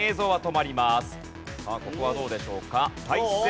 さあここはどうでしょうか？